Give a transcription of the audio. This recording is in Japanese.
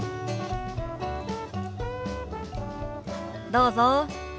どうぞ。